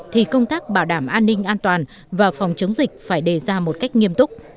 thì công tác bảo đảm an ninh an toàn và phòng chống dịch phải đề ra một cách nghiêm túc